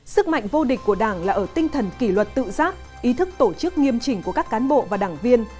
sức mạnh vô địch của đảng là ở tinh thần kỷ luật tự giác ý thức tổ chức nghiêm trình của các cán bộ và đảng viên